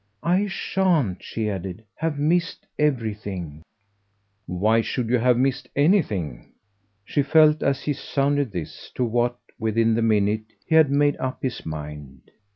"I shan't," she added, "have missed everything." "Why should you have missed ANYTHING?" She felt, as he sounded this, to what, within the minute, he had made up his mind.